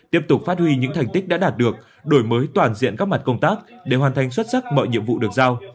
tiếp tục phát huy những thành tích đã đạt được đổi mới toàn diện các mặt công tác để hoàn thành xuất sắc mọi nhiệm vụ được giao